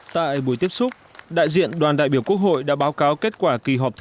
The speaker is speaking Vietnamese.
tại buổi tiếp xúc đại diện đoàn đại biểu quốc hội đã báo cáo kết quả kỳ họp thứ tám